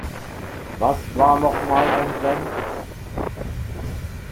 Was war nochmal ein Vamp?